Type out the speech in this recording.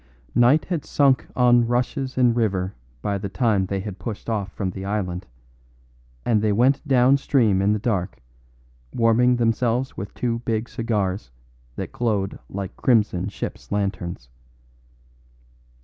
Night had sunk on rushes and river by the time they had pushed off from the island, and they went down stream in the dark, warming themselves with two big cigars that glowed like crimson ships' lanterns.